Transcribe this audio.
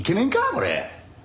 これ。